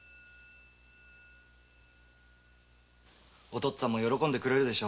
お父っつぁんも喜んでくれるでしょう。